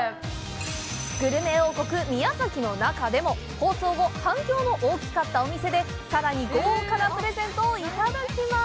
グルメ王国・宮崎の中でも放送後、反響の大きかったお店でさらに豪華なプレゼントをいただきます！